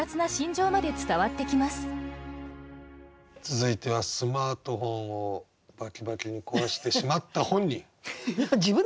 続いてはスマートフォンをバキバキに壊してしまった本人。